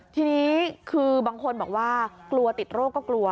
ทีนี้คือบางคนบอกว่ากลัวติดโรคก็กลัว